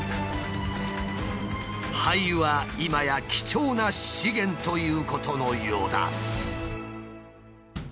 廃油は今や貴重な資源ということのようだ。